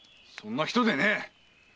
そんな人でねえ！